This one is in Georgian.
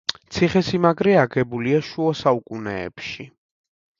ციხესიმაგრე აგებულია შუა საუკუნეებში.